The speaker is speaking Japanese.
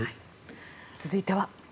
続いては。